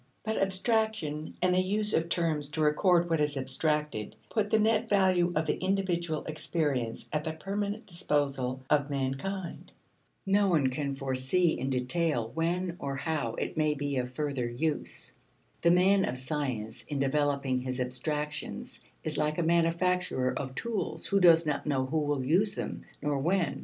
But abstraction and the use of terms to record what is abstracted put the net value of individual experience at the permanent disposal of mankind. No one can foresee in detail when or how it may be of further use. The man of science in developing his abstractions is like a manufacturer of tools who does not know who will use them nor when.